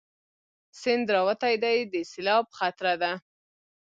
سيند راوتی دی، د سېلاب خطره ده